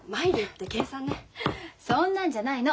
そんなんじゃないの。